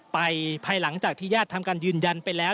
ภายหลังจากที่ญาติทำการยืนยันไปแล้ว